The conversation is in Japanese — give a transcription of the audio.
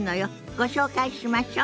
ご紹介しましょ。